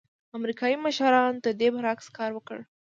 امریکايي مشرانو د دې برعکس کار وکړ.